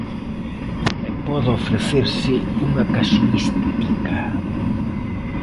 E pode ofrecerse unha casuística.